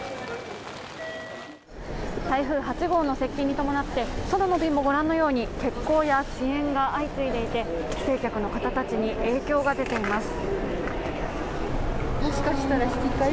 台風８号の接近に伴って、空の便も御覧のように欠航や遅延が相次いでいて帰省客の方たちに影響が出ています。